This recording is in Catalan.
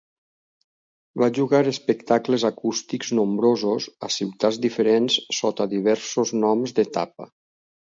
Va jugar espectacles acústics nombrosos a ciutats diferents sota diversos noms d'etapa.